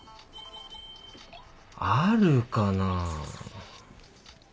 あるかな？